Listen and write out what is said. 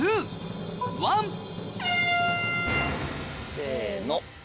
せの。